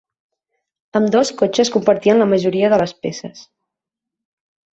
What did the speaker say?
Ambdós cotxes compartien la majoria de les peces.